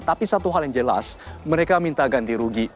tapi satu hal yang jelas mereka minta ganti rugi